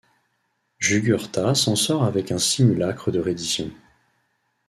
Jugurtha s'en sort avec un simulacre de reddition.